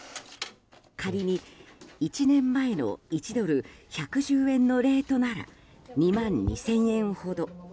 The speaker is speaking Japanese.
仮に１年前の１ドル＝１１０円のレートなら２万２０００円ほど。